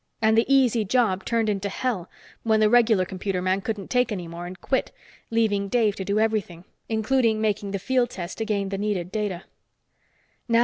And the easy job turned into hell when the regular computer man couldn't take any more and quit, leaving Dave to do everything, including making the field tests to gain the needed data.